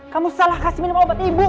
kamu salah kasih minum obat ibu